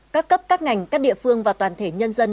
các cấp các ngành các địa phương và toàn thể nhân dân